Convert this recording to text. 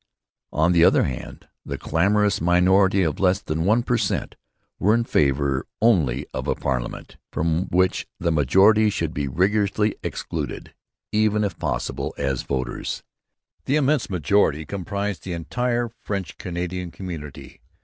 On the other hand, the clamorous minority of less than one per cent were in favour only of a parliament from which the majority should be rigorously excluded, even, if possible, as voters. The immense majority comprised the entire French Canadian community.